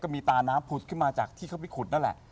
มีตาน้ำผุดขึ้นมาจากที่เขาไปขุดนั่นแหละ